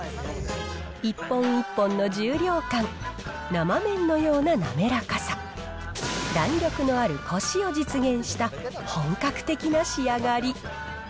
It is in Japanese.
一本一本の重量感、生麺のような滑らかさ、弾力のあるこしを実現した本格的な仕上がり。